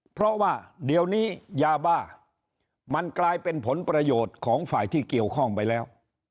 เพราะว่าเดี๋ยวนี้ยาบ้ามันกลายเป็นผลประโยชน์ของฝ่ายที่เกี่ยวข้องไปแล้ว